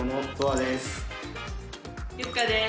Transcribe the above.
ゆっかです。